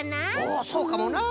おそうかもな！